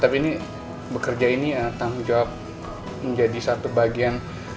tapi ini bekerja ini tanggung jawab menjadi satu bagian